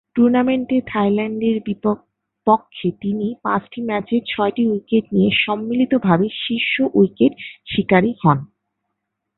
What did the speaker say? টুর্নামেন্টে থাইল্যান্ডের পক্ষে তিনি পাঁচটি ম্যাচে ছয়টি উইকেট নিয়ে সম্মিলিতভাবে শীর্ষ উইকেট শিকারী হন।